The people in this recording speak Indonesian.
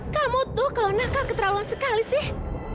kamu tuh kalau nakal keterawan sekali sih